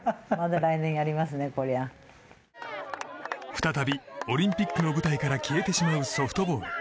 再び、オリンピックの舞台から消えてしまうソフトボール。